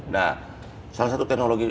nah salah satu teknologi